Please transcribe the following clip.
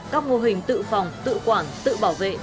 các mô hình tự phòng tự quản tự bảo vệ